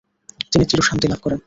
তিনি চিরশান্তি লাভ করেন।